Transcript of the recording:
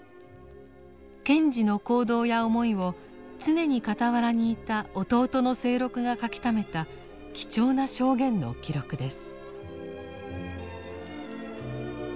賢治の行動や思いを常に傍らにいた弟の清六が書きためた貴重な証言の記録です。